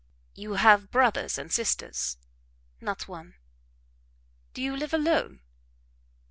"You have brothers and sisters?" "Not one." "Do you live alone?"